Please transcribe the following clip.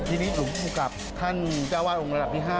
ทีนี้หลวงภูมิกับท่านเจ้าวาดองค์ระดับที่๕